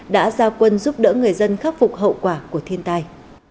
đã ra quân giúp đỡ người dân khắc phục hậu quả của thiên tai